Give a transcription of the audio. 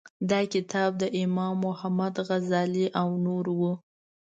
دا کتاب د امام محمد غزالي او نورو و.